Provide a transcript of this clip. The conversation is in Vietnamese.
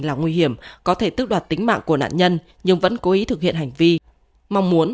là nguy hiểm có thể tức đoạt tính mạng của nạn nhân nhưng vẫn cố ý thực hiện hành vi mong muốn